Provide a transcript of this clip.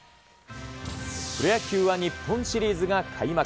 プロ野球は日本シリーズが開幕。